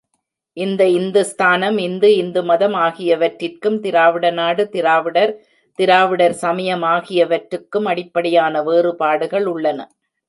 இந்த இந்துஸ்தானம், இந்து, இந்துமதம் ஆகியவற்றிற்கும், திராவிடநாடு, திராவிடர், திராவிடர் சமயம் ஆகியவற்றுக்கும் அடிப்படையான வேறுபாடுகள் உள்ளன.